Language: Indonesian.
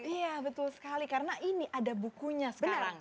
iya betul sekali karena ini ada bukunya sebenarnya